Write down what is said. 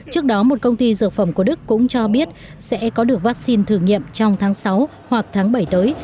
trước đó một công ty dược phẩm của đức cũng cho biết sẽ có được vaccine thử nghiệm trong tháng sáu hoặc tháng bảy tới